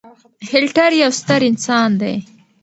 هېټلر يو ستر انسان دی.